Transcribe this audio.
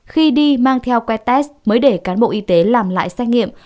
khi đi mang theo que test mới để cán bộ y tế làm lại xét nghiệm